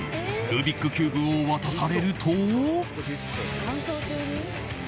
ルービックキューブを渡されると。